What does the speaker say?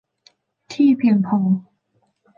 ที่เพียงพอ